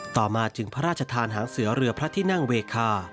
ต่อมาจึงพระราชทานหางเสือเรือพระที่นั่งเวคา